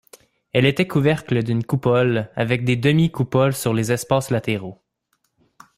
Elle était couverte d'une coupole avec des demi-coupoles sur les espaces latéraux.